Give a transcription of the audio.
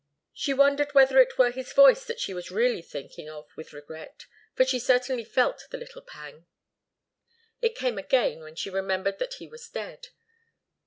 She wondered whether it were his voice that she was really thinking of with regret. For she certainly felt the little pang. It came again when she remembered that he was dead.